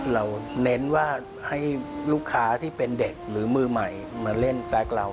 เน้นว่าให้ลูกค้าที่เป็นเด็กหรือมือใหม่มาเล่นแซคเรา